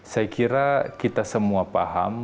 saya kira kita semua paham